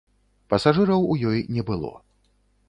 Пасажыраў у ёй не было.